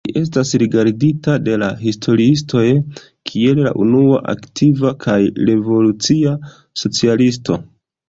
Li estas rigardita de la historiistoj kiel la unua aktiva kaj revolucia socialisto.